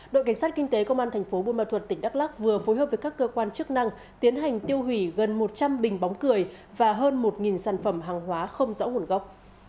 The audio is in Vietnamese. đội cảnh sát kinh tế công an thành phố buôn ma thuật tỉnh đắk lắc vừa phối hợp với các cơ quan chức năng tiến hành tiêu hủy gần một trăm linh bình bóng cười và hơn một sản phẩm hàng hóa không rõ nguồn gốc